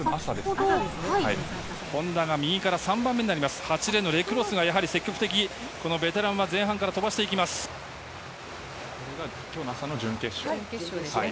本多が右から３番目になります、８レーンのレクロスがやはり積極的、ベテランは前半から飛ばしてこれがきょうの朝の準決勝。